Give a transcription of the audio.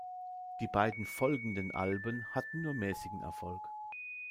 Die beiden folgenden Alben hatten nur mäßigen Erfolg.